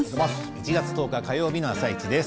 １月１０日火曜日の「あさイチ」です。